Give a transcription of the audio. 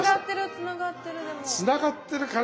つながってる感じ。